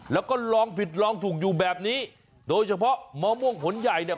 แล้วก็ลองผิดลองถูกอยู่แบบนี้โดยเฉพาะมะม่วงผลใหญ่เนี่ย